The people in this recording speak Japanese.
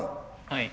はい。